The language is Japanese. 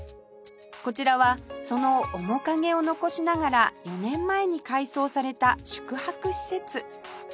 こちらはその面影を残しながら４年前に改装された宿泊施設